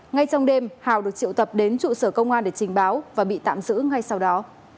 ngay trong đêm hào được triệu tập đến trụ sở công an để trình báo và bị tạm giữ ngay sau đó